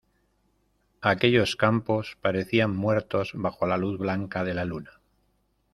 aquellos campos parecían muertos bajo la luz blanca de la luna: